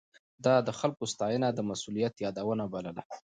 ده د خلکو ستاينه د مسؤليت يادونه بلله.